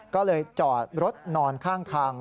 ก็เลยจอดรถนอนข้างทาง